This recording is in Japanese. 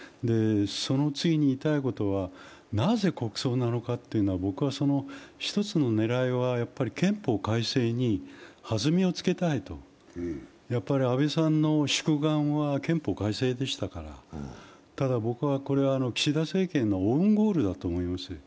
その次に言いたいことは、なぜ国葬なのかというのは一つの狙いはやはり憲法改正にはずみをつけたいと、安倍さんの宿願は憲法改正でしたからただこれは岸田政権のオウンゴールだと思いますよ。